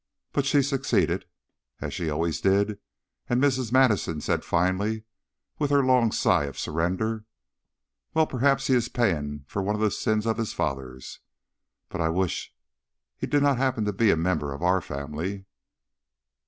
But she succeeded, as she always did; and Mrs. Madison said finally, with her long sigh of surrender, "Well, perhaps he is paying for some of the sins of his fathers. But I wish he did not happen to be a member of our family.